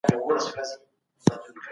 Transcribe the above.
زه به ستا لپاره د څېړنې ميتود وکاروم.